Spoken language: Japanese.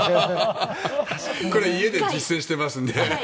これ、家で実践していますので。